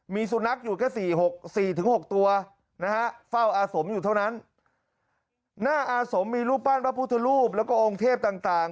มีสุนัขอยู่แค่สี่หกสี่ถึงหกตัวนะฮะเฝ้าอาสมอยู่เท่านั้นหน้าอาสมมีรูปปั้นพระพุทธรูปแล้วก็องค์เทพต่างต่าง